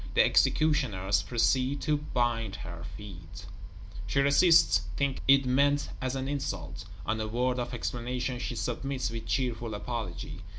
The executioners proceed to bind her feet; she resists, thinking it meant as an insult; on a word of explanation, she submits with cheerful apology.